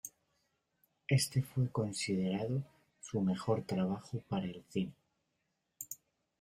Éste fue considerado su mejor trabajo para el cine.